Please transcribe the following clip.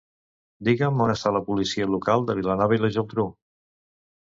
Digue'm on està la policia local de Vilanova i la Geltrú.